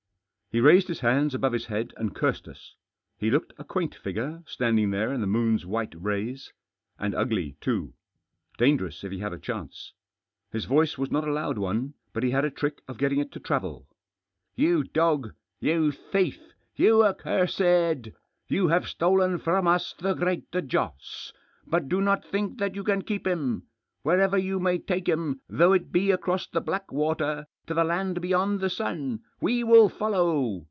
He raised his hands above his head and cursed us. He looked a quaint figure, standing there in the moon's white rays. And ugly too. Dangerous if he had a chance. His voice was not a loud one, but he had a trick of getting it to travel. "You dog! you thief! you accursed! you have stolen from us the Great Joss! But do not think that you can keep him. Wherever you may take him, though it be across the black water, to the land beyond the sun, we will follow.